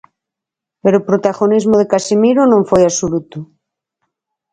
Pero o protagonismo de Casemiro non foi absoluto.